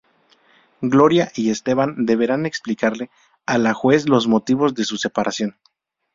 Gloria y Esteban deberán explicarle a la juez los motivos de sus separación.